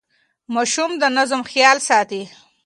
ماشومان د نظم خیال ساتي.